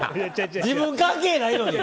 自分関係ないのに！